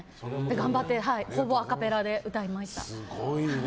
頑張ってほぼアカペラで歌いました。